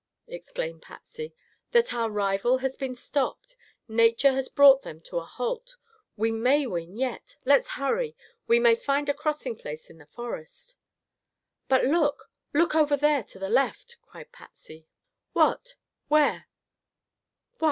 exclaimed Patsy. "That our rival has been stopped. Nature has brought them to a halt. We may win yet. Let's hurry. We may find a crossing place in the forest." "But look, look over there to the left!" cried Patsy. "What? Where?"